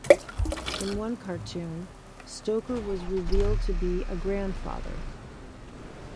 In one cartoon, Stoker was revealed to be a grandfather.